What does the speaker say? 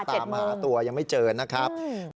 ตามหาตัวยังไม่เจอนะครับ